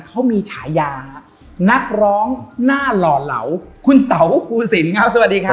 เขามีฉายานักร้องหน้าหล่อเหลาคุณเต๋าภูสินครับสวัสดีครับ